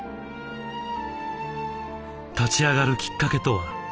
立ち上がるきっかけとは？